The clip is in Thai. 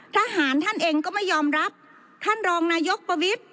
ทหารท่านเองก็ไม่ยอมรับท่านรองนายกประวิทธิ